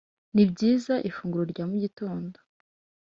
nibyiza ifunguro rya mugitondo